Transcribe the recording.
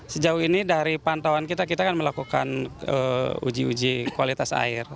sejauh ini dari pantauan kita kita kan melakukan uji uji kualitas air